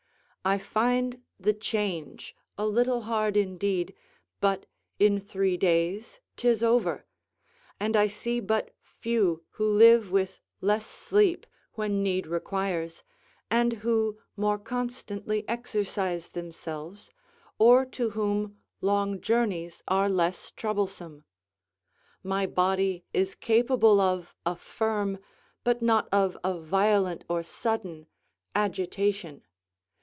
I find the change a little hard indeed, but in three days 'tis over; and I see but few who live with less sleep, when need requires, and who more constantly exercise themselves, or to whom long journeys are less troublesome. My body is capable of a firm, but not of a violent or sudden agitation.